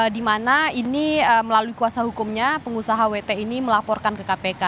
di mana ini melalui kuasa hukumnya pengusaha wt ini melaporkan ke kpk